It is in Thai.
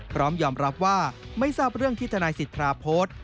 พร้อมยอมรับว่าไม่ทราบเรื่องที่ทนายสิทธาโพสต์